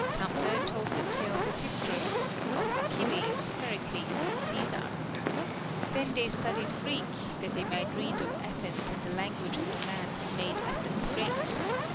Campe told them tales of history of Achilles, Pericles and Cæsar. Then they studied Greek, that they might read of Athens in the language of the men who made Athens great.